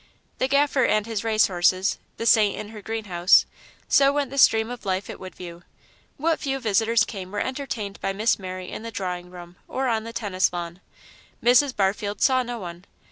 The Gaffer and his race horses, the Saint and her greenhouse so went the stream of life at Woodview. What few visitors came were entertained by Miss Mary in the drawing room or on the tennis lawn. Mrs. Barfield saw no one.